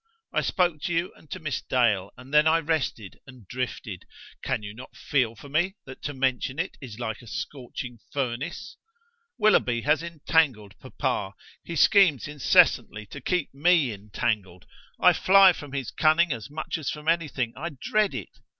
I spoke to you and to Miss Dale: and then I rested and drifted. Can you not feel for me, that to mention it is like a scorching furnace? Willoughby has entangled papa. He schemes incessantly to keep me entangled. I fly from his cunning as much as from anything. I dread it.